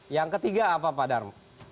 yang ketiga apa pak darma